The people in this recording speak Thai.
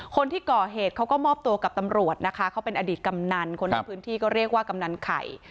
คนที่ก่อเหตุเขาก็มอบตัวกับตำรวจนะคะเขาเป็นอดีตกำนันคนในพื้นที่ก็เรียกว่ากำนันไข่